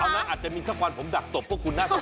เอาล่ะอาจจะมีสะกวานผมดักตบเพราะคุณน่าจะตกหน้า